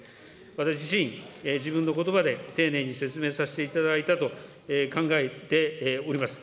私自身、自分のことばで丁寧に説明させていただいたと考えております。